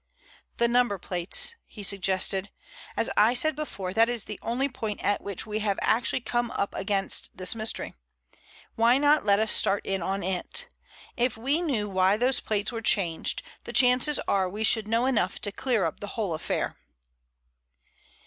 "The number plates," he suggested. "As I said before, that is the only point at which we have actually come up against this mystery. Why not let us start in on it? If we knew why those plates were changed, the chances are we should know enough to clear up the whole affair."